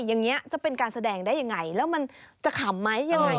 อย่างนี้จะเป็นการแสดงได้ยังไงแล้วมันจะขำไหมยังไง